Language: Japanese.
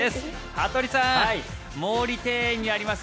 羽鳥さん、毛利庭園にあります